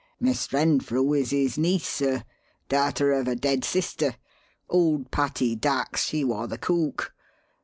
"Miss Renfrew is his niece, sir darter of a dead sister. Old Patty Dax, she war the cook.